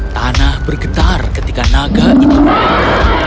tanah bergetar ketika naga itu melekat